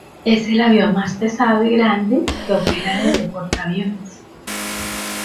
Es el avión más pesado y grande que opera desde portaaviones.